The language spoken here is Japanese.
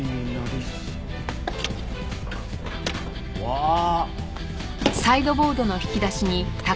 わあ！